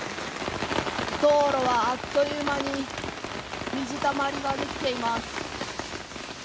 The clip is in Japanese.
道路はあっという間に水たまりが出来ています。